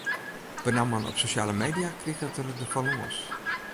Benammen op sosjale media kriget er der fan lâns.